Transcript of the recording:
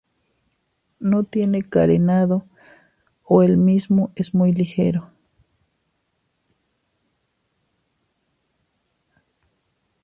No tienen carenado o el mismo es muy ligero.